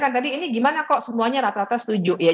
tadi ini gimana kok semuanya rata rata setuju ya